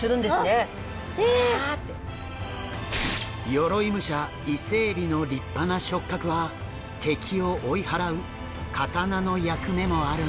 鎧武者イセエビの立派な触角は敵を追い払う刀の役目もあるんです。